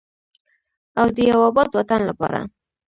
او د یو اباد وطن لپاره.